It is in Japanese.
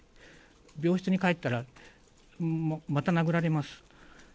病室に帰ったら、また殴られます。